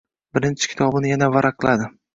Birinchi kitobini yana varaqladi.